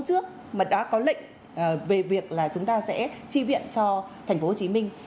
trước mà đã có lệnh về việc là chúng ta sẽ tri viện cho thành phố hồ chí minh